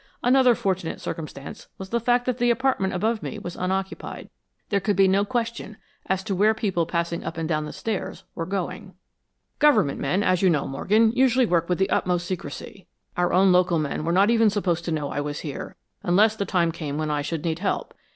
Another fortunate circumstance was the fact that the apartment over me was unoccupied. There could be no question as to where people passing up and down the stairs were going." "Government men, as you know, Morgan, usually work with the utmost secrecy. Our own local men were not even supposed to know I was here unless the time came when I should need help.